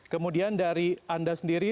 kemudian dari anda sendiri